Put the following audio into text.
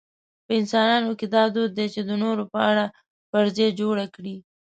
په انسانانو کې دا دود دی چې د نورو په اړه فرضیه جوړه کړي.